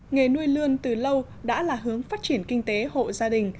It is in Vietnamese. nghề nuôi lươn từ lâu đã là hướng phát triển kinh tế hộ gia đình